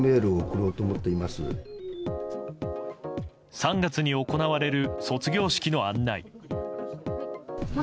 ３月に行われる卒業式の案内。